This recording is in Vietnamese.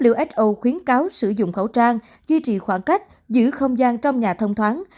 who khuyến cao sử dụng khẩu trang duy trì khoảng cách giữ không gian trong nhà thông thoáng